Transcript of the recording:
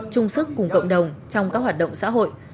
chung sức cùng cộng đồng trong các hoạt động xã hội